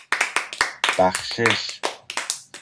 بخشش